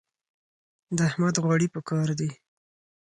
د احمد غوړي په کار دي.